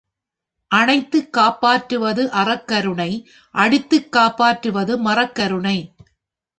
அணைத்துக் காப்பாற்றுவது அறக்கருணை அடித்துக் காப்பாற்றுவது மறக் கருணை.